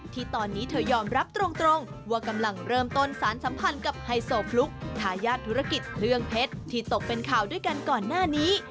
ที่ตอนนี้เธอยอมรับตรงว่ากำลังเริ่มต้นสารสัมพันธ์กับไฮโซฟลุกทายาทธุรกิจเครื่องเพชรที่ตกเป็นข่าวด้วยกันก่อนหน้านี้